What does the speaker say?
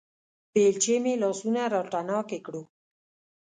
بېلچې مې لاسونه راتڼاکې کړو